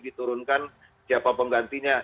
diturunkan siapa penggantinya